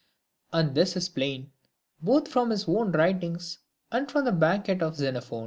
And this is plain, both from his own writings, and from the Banquet of Xenophon.